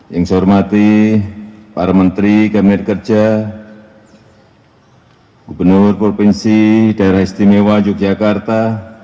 yang saya hormati para menteri kabinet kerja gubernur provinsi daerah istimewa yogyakarta